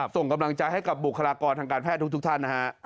ส่งกำลังใจให้กับบุคลากรทางการแพทย์ทุกท่านนะฮะ